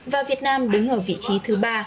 và việt nam đứng ở vị trí thứ ba